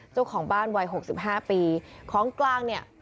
เจ้าของบ้านวัยหกสิบห้าปีของกลางเนี้ย